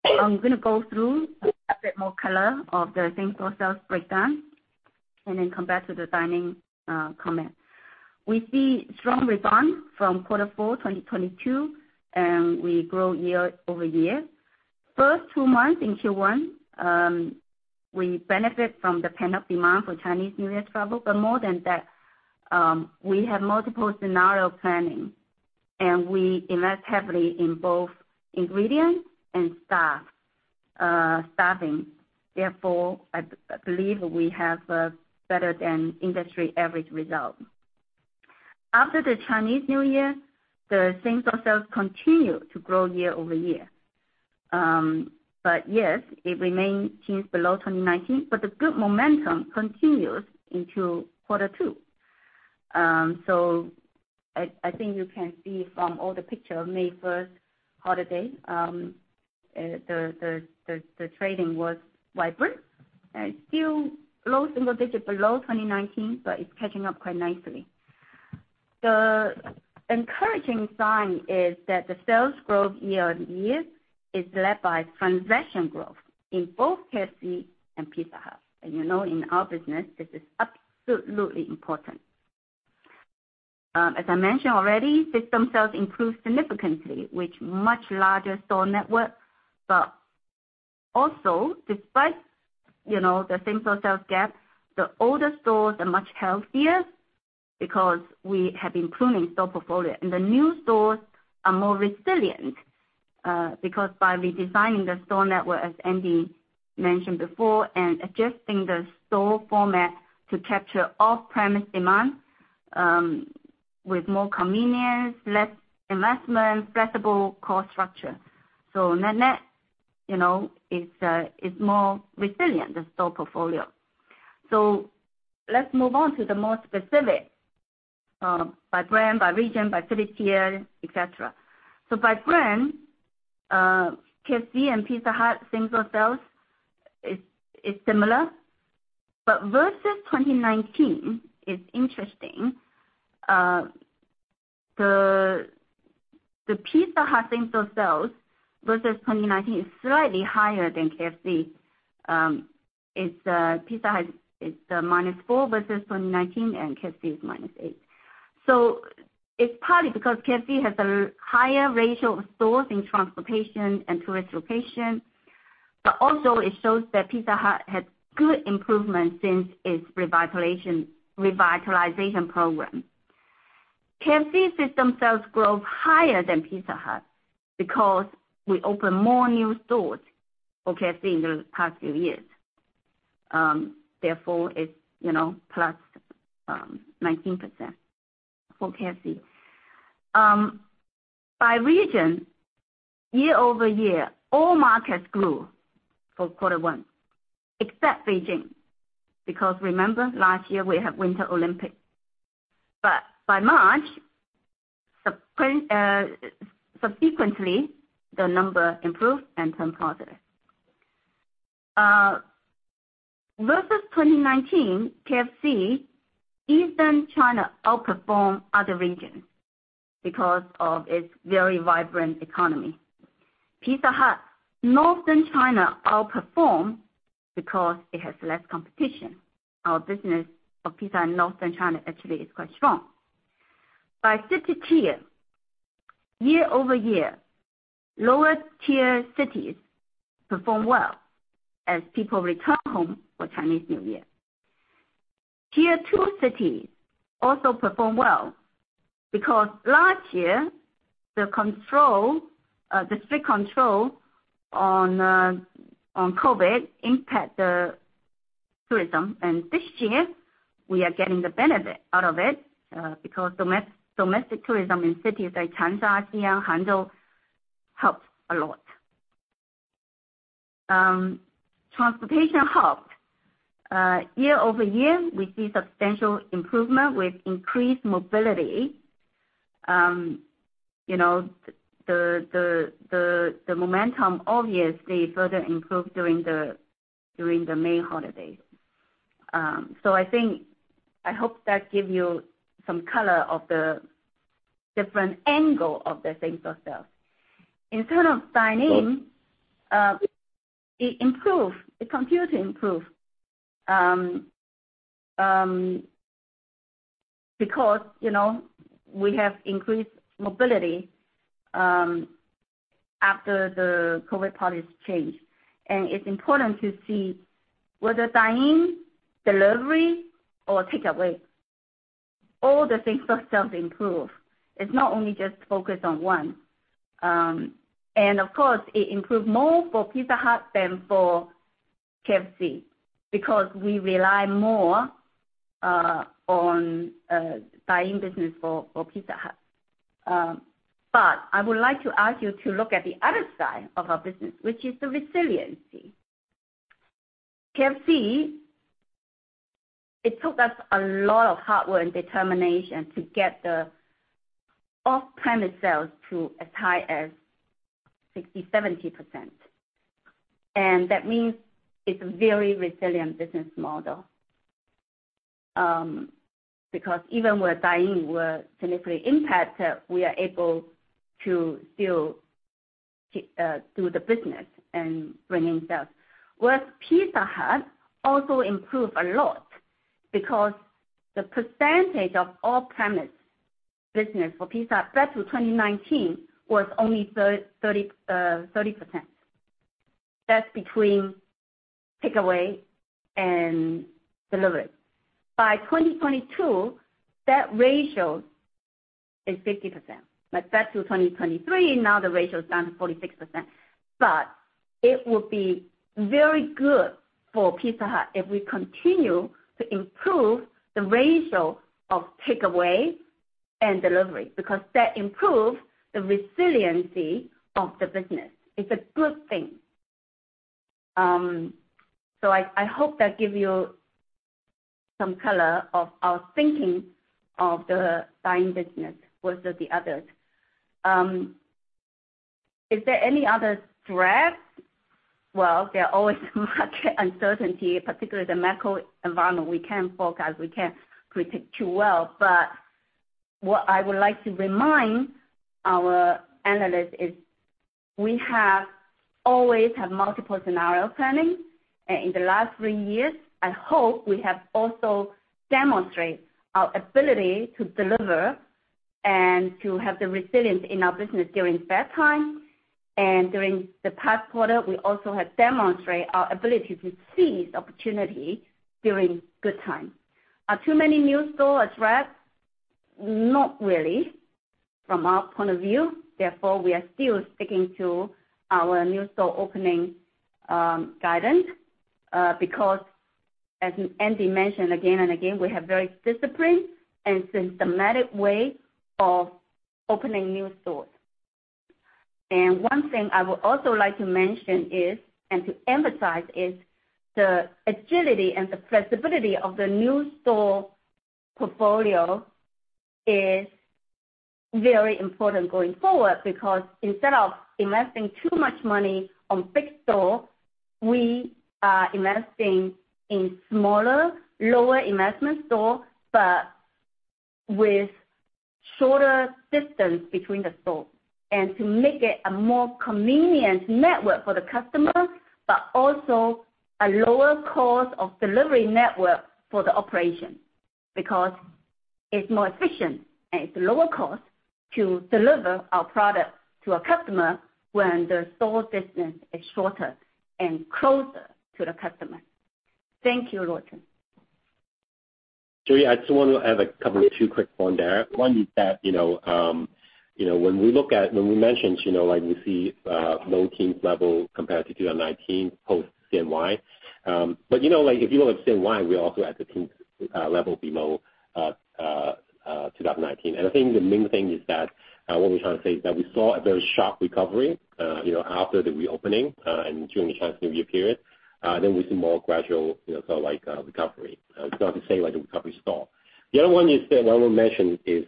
I'm gonna go through a bit more color of the same-store sales breakdown and then come back to the dining comment. We see strong rebound from Q4 2022, and we grow year-over-year. First two months in Q1, we benefit from the pent-up demand for Chinese New Year travel. More than that, we have multiple scenario planning, and we invest heavily in both ingredients and staffing. Therefore, I believe we have a better than industry average result. After the Chinese New Year, the same-store sales continue to grow year-over-year. Yes, it remains since below 2019, but the good momentum continues into quarter two. I think you can see from all the picture, May 1st holiday, the trading was vibrant. It's still low single digit below 2019, but it's catching up quite nicely. The encouraging sign is that the sales growth year-on-year is led by transaction growth in both KFC and Pizza Hut. You know, in our business, this is absolutely important. As I mentioned already, system sales improved significantly with much larger store network. Also despite, you know, the same-store sales gap, the older stores are much healthier because we have been pruning store portfolio. The new stores are more resilient because by redesigning the store network, as Andy Yeung mentioned before, and adjusting the store format to capture off-premise demand, with more convenience, less investment, flexible cost structure. Net-net, you know, it's more resilient, the store portfolio. Let's move on to the more specific, by brand, by region, by city tier, et cetera. By brand, KFC and Pizza Hut same-store sales is similar. Versus 2019, it's interesting, the Pizza Hut same-store sales versus 2019 is slightly higher than KFC. It's Pizza Hut is -4% versus 2019, and KFC is -8%. It's partly because KFC has a higher ratio of stores in transportation and tourist location. Also it shows that Pizza Hut had good improvement since its revitalization program. KFC system sales growth higher than Pizza Hut because we opened more new stores for KFC in the past few years. Therefore, it's, you know, plus 19% for KFC. By region, year-over-year, all markets grew for quarter one, except Beijing, because remember last year we had Winter Olympics. By March, subsequently, the number improved and turned positive. Versus 2019, KFC Eastern China outperformed other regions because of its very vibrant economy. Pizza Hut, Northern China outperformed because it has less competition. Our business of Pizza in Northern China actually is quite strong. By city tier, year-over-year, lower tier cities performed well as people return home for Chinese New Year. Tier 2 cities also performed well because last year, the strict control on COVID impact the tourism. This year we are getting the benefit out of it because domestic tourism in cities like Changsha, Xi'an, Hangzhou helped a lot. Transportation helped. Year-over-year, we see substantial improvement with increased mobility. you know, the momentum obviously further improved during the May holidays. I think, I hope that give you some color of the different angle of the same-store sales. In term of dine-in, it improved. It continued to improve because, you know, we have increased mobility after the COVID policies changed. It's important to see whether dine-in, delivery or takeaway, all the same-store sales improve. It's not only just focused on one. Of course, it improved more for Pizza Hut than for KFC because we rely more on dine-in business for Pizza Hut. I would like to ask you to look at the other side of our business, which is the resiliency. KFC, it took us a lot of hard work and determination to get the off-premise sales to as high as 60%, 70%. That means it's a very resilient business model. Because even with dine-in were significantly impacted, we are able to still do the business and bringing sales. With Pizza Hut also improved a lot because the percentage of off-premise business for Pizza Hut back to 2019 was only 30%. That's between takeaway and delivery. By 2022, that ratio is 50%. Back to 2023, now the ratio is down to 46%. It would be very good for Pizza Hut if we continue to improve the ratio of takeaway and delivery, because that improves the resiliency of the business. It's a good thing. I hope that give you some color of our thinking of the dine-in business versus the others. Is there any other threat? There are always much uncertainty, particularly the macro environment. We can't forecast. We can't predict too well. What I would like to remind our analysts is we have always have multiple scenario planning. In the last three years, I hope we have also demonstrate our ability to deliver and to have the resilience in our business during bad time. During the past quarter, we also have demonstrate our ability to seize opportunity during good time. Are too many new store a threat? Not really from our point of view. Therefore, we are still sticking to our new store opening guidance because as Andy mentioned again and again, we have very disciplined and systematic way of opening new stores. One thing I would also like to mention is, and to emphasize, is the agility and the flexibility of the new store portfolio is very important going forward because instead of investing too much money on big store, we are investing in smaller, lower investment store, but with shorter distance between the stores. To make it a more convenient network for the customer, but also a lower cost of delivery network for the operation, because it's more efficient, and it's lower cost to deliver our products to a customer when the store distance is shorter and closer to the customer. Thank you, Roger.
Joey, I just want to add a couple of two quick point there. One is that, you know, when we mentioned, you know, like we see low teens level compared to 2019 post CMY. You know, like, if you look at CMY, we're also at the teens level below 2019. I think the main thing is that what we're trying to say is that we saw a very sharp recovery, you know, after the reopening and during the Chinese New Year period, then we see more gradual, you know, sort of like recovery. It's not to say like the recovery stall. The other one is that I will mention is,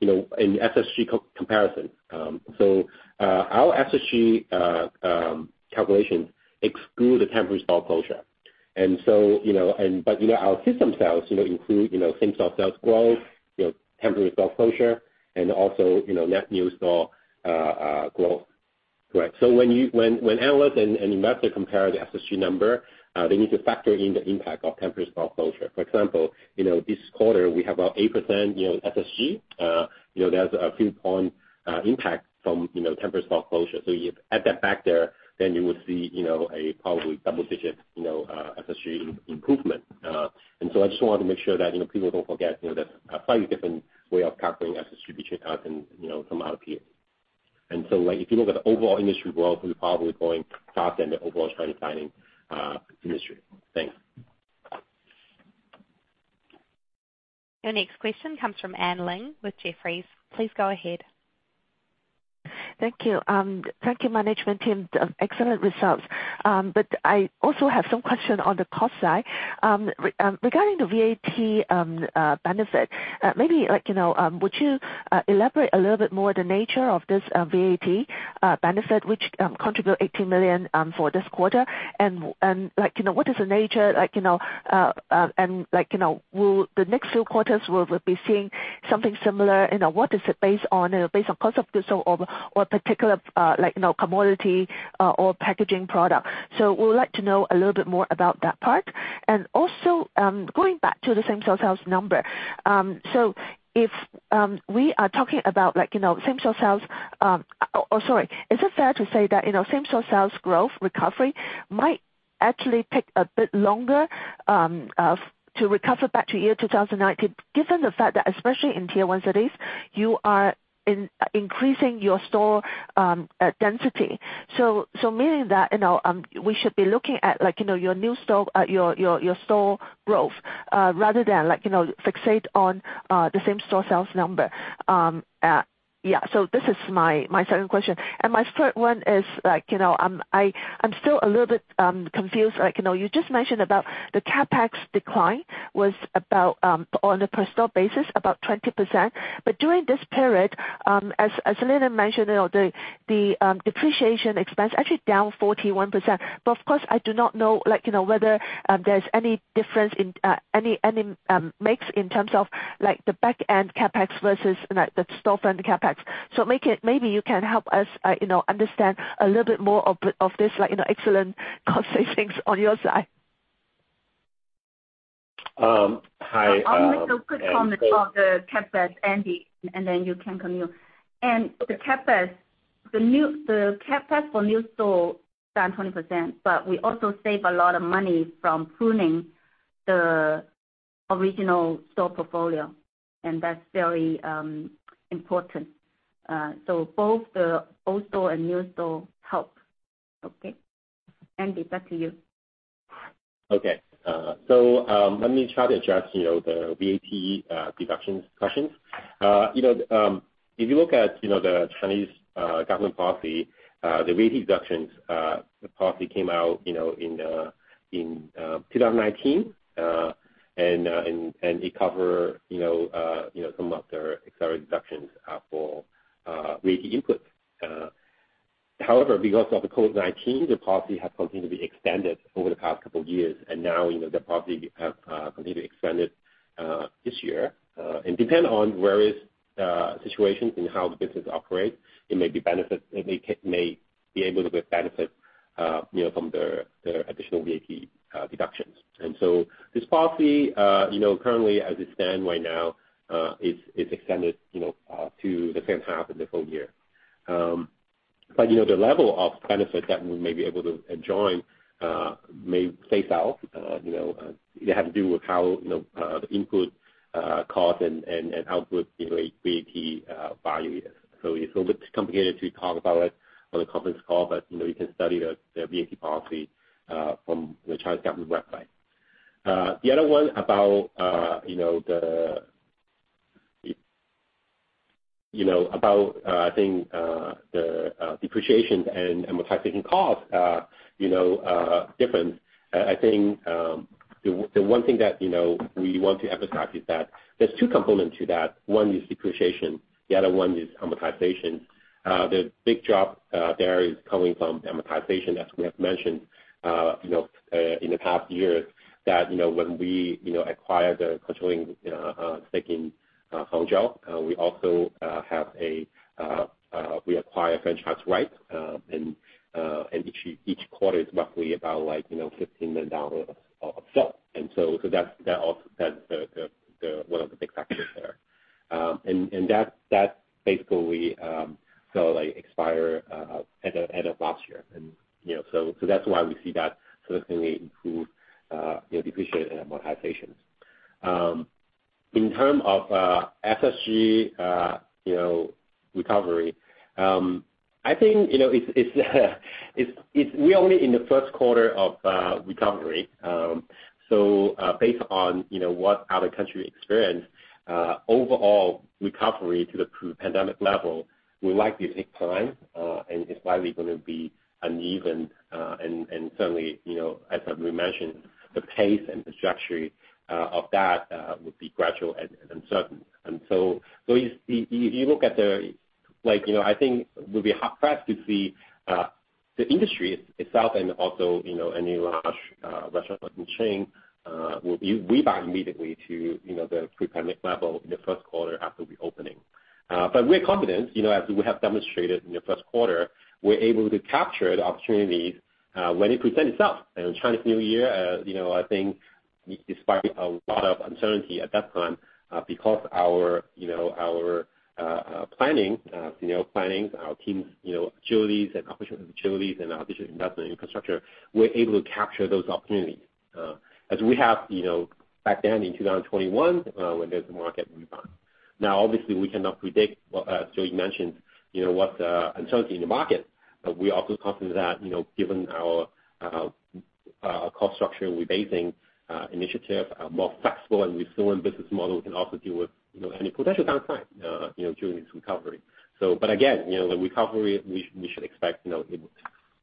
you know, in SSG co-comparison. Our SSG calculation exclude the temporary store closure. Our system sales, you know, include, you know, same store sales growth, you know, temporary store closure, and also, you know, net new store growth. Right. When analysts and investors compare the SSG number, they need to factor in the impact of temporary store closure. For example, this quarter we have about 8%, you know, SSG. There's a few point impact from, you know, temporary store closure. You add that back there, then you will see, you know, a probably double-digit, you know, SSG improvement. I just want to make sure that, you know, people don't forget, you know, that's a slightly different way of calculating SSG than, you know, from our view. Like, if you look at the overall industry growth, we're probably going top end of overall same store dining industry. Thanks.
Your next question comes from Anne Ling with Jefferies. Please go ahead.
Thank you. Thank you management team. Excellent results. I also have some questions on the cost side. Regarding the VAT benefit, maybe like, you know, would you elaborate a little bit more the nature of this VAT benefit, which contribute $80 million for this quarter? What is the nature like, you know, and like, you know, will the next few quarters will be seeing something similar? You know, what is it based on? Is it based on cost of goods sold or particular, like, you know, commodity or packaging product? We would like to know a little bit more about that part. Also, going back to the same-store-sales number. If we are talking about like, you know, same-store-sales, or sorry, is it fair to say that, you know, same-store-sales growth recovery might actually take a bit longer to recover back to year 2019, given the fact that especially in Tier 1 cities, you are increasing your store density. Meaning that, you know, we should be looking at like, you know, your new store, your store growth, rather than like, you know, fixate on the same-store-sales number. Yeah, this is my second question. My third one is like, you know, I'm still a little bit confused, like, you know, you just mentioned about the CapEx decline was about on a per store basis, about 20%. During this period, as Linda mentioned, you know, the depreciation expense actually down 41%. Of course, I do not know, like, you know, whether there's any difference in any mix in terms of like the back-end CapEx versus like the store front CapEx. Maybe you can help us, you know, understand a little bit more of this, like, you know, excellent cost savings on your side.
Hi.
I'll make a quick comment on the CapEx, Andy, and then you can continue. The CapEx, the CapEx for new store down 20%, but we also save a lot of money from pruning the original store portfolio. That's very important. Both the old store and new store help. Okay? Andy, back to you.
Let me try to address, you know, the VAT deductions questions. You know, if you look at, you know, the Chinese government policy, the VAT deductions policy came out, you know, in 2019, and it cover, you know, some of their accelerated deductions for VAT input. However, because of the COVID-19, the policy has continued to be extended over the past couple years, and now, you know, the policy have continued extended this year. Depend on various situations in how the business operates, it may be benefit, it may be able to get benefit, you know, from the additional VAT deductions. This policy, you know, currently as it stand right now, it's extended, you know, to the same half of the full year. The level of benefit that we may be able to join, may plays out. You know, it have to do with how, you know, the input, cost and, and output, you know, VAT, value is. It's a little bit complicated to talk about it on a conference call, but, you know, you can study the VAT policy, from the Chinese government website. The other one about, you know, about, I think, the depreciation and amortization costs, you know, difference. I think, the one thing that, you know, we want to emphasize is that there's two components to that. One is depreciation, the other one is amortization. The big drop there is coming from amortization, as we have mentioned, you know, in the past years, that, you know, when we, you know, acquire the controlling stake in Huang Ji Huang, we also have a, we acquire franchise rights. Each quarter is roughly about like, you know, $15 million of stock. So that's, that also, that's the one of the big factors there. That basically, so like expire at the end of last year. You know, so that's why we see that significantly improved, you know, depreciation and amortization. In term of SSG, you know, recovery, I think, you know, it's, we're only in the first quarter of recovery. Based on, you know, what other country experience, overall recovery to the pre-pandemic level will likely take time, and it's likely gonna be uneven. Certainly, you know, as have been mentioned, the pace and the trajectory of that will be gradual and uncertain. If you look at the, like, you know, I think we'll be hard pressed to see the industry itself and also, you know, any large restaurant chain will rebound immediately to, you know, the pre-pandemic level in the first quarter after reopening. We're confident, you know, as we have demonstrated in the first quarter, we're able to capture the opportunities when it present itself. Chinese New Year, you know, I think despite a lot of uncertainty at that time, because our, you know, our planning, our teams, you know, agilities and operational agilities and our digital investment infrastructure, we're able to capture those opportunities, as we have, you know, back then in 2021, when there's a market rebound. Obviously, we cannot predict, as Joey mentioned, you know, what's the uncertainty in the market. We are also confident that, you know, given our cost structure rebasing initiative are more flexible and resilient business model can also deal with, you know, any potential downtime, you know, during this recovery. Again, you know, the recovery we should expect, you know, it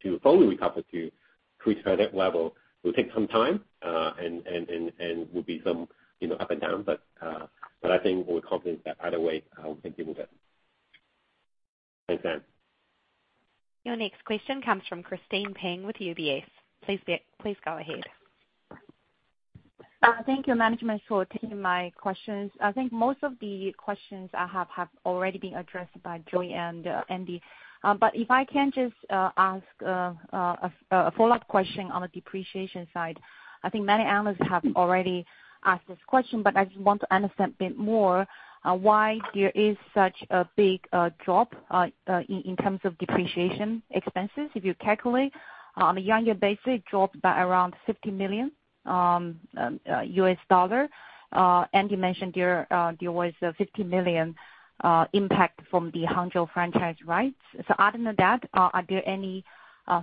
to fully recover to pre-pandemic level will take some time, and will be some, you know, up and down but, I think we're confident that either way, we can deal with it.
Thanks, Dan.
Your next question comes from Yan Peng with UBS. Please go ahead.
Thank you, management, for taking my questions. I think most of the questions I have have already been addressed by Joey and Andy. If I can just ask a follow-up question on the depreciation side. I think many analysts have already asked this question, but I just want to understand a bit more why there is such a big drop in terms of depreciation expenses. If you calculate on a year-on-year basis, it dropped by around $50 million. Andy mentioned there was a $50 million impact from the Hangzhou franchise rights. Other than that, are there any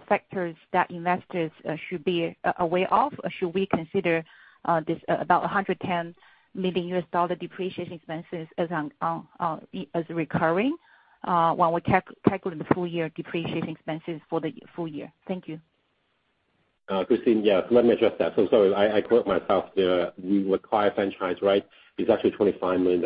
factors that investors should be aware of or should we consider this about $110 million depreciation expenses as recurring when we calculate the full year depreciation expenses for the full year? Thank you.
Yan Peng. Let me address that. I quote myself there. We acquire franchise rights is actually $25 million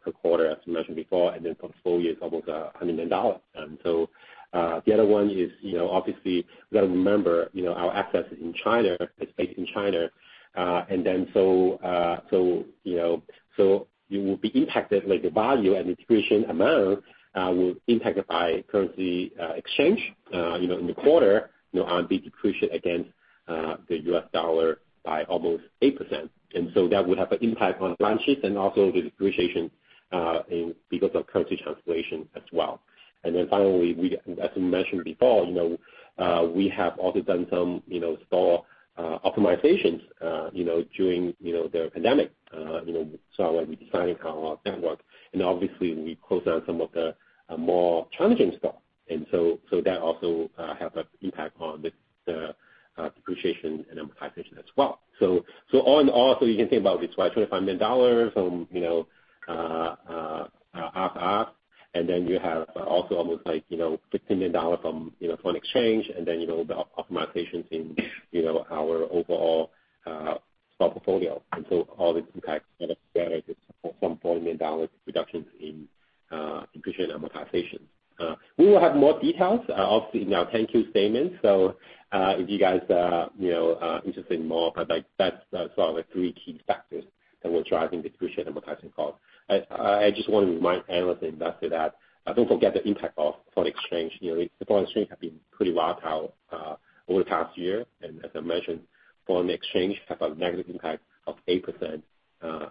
per quarter, as we mentioned before, full year is almost $100 million. The other one is, you know, obviously we gotta remember, you know, our assets in China is based in China. You know, you will be impacted like the value and depreciation amount will impacted by currency exchange, you know, in the quarter, you know, RMB depreciate against the US dollar by almost 8%. That would have an impact on the balance sheet and also the depreciation in because of currency translation as well. Finally, as we mentioned before, you know, we have also done some, you know, store optimizations, you know, during, you know, the pandemic. You know, when we're deciding how our network and obviously we close down some of the more challenging stuff. That also have an impact on the depreciation and amortization as well. All in all, you can think about it's like $25 million from, you know, Op-ops, and then you have also almost like, you know, $15 million from, you know, foreign exchange and then, you know, the optimizations in, you know, our overall stock portfolio. All these impacts added together is some $40 million reductions in depreciation amortization. We will have more details, obviously in our 10-Q statements. If you guys are, you know, interested in more, that's sort of the three key factors that were driving depreciation and amortization costs. I just wanna remind analysts investors that don't forget the impact of foreign exchange. You know, the foreign exchange have been pretty volatile over the past year. As I mentioned, foreign exchange have a negative impact of 8%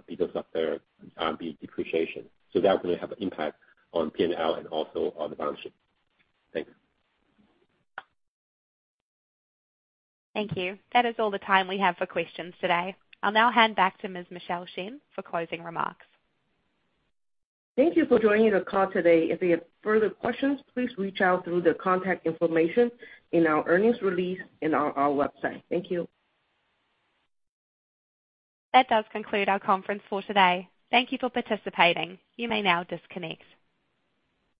because of their RMB depreciation. That will have an impact on P&L and also on the balance sheet. Thanks.
Thank you. That is all the time we have for questions today. I'll now hand back to Ms. Michelle Shen for closing remarks.
Thank you for joining the call today. If you have further questions, please reach out through the contact information in our earnings release and on our website. Thank you.
That does conclude our conference for today. Thank you for participating. You may now disconnect.